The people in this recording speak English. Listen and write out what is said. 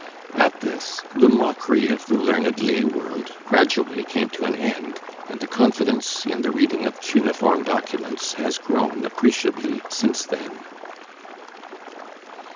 At this the mockery of the learned lay world gradually came to an end and the confidence in the reading of cuneiform documents has grown appreciably since then.